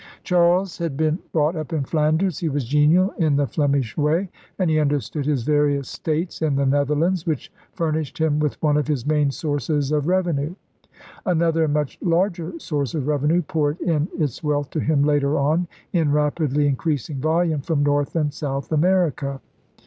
Charles had been brought up in Flanders; he was genial in the Flemish way; and he understood his various states in the Netherlands, which furnished him with one of his main sources of revenue. An other and much larger source of revenue poured in its wealth to him later on, in rapidly increasing volume, from North and South America.